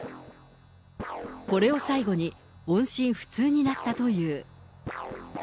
これを最後に音信不通になったという。